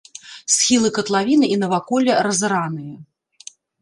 Схілы катлавіны і наваколле разараныя.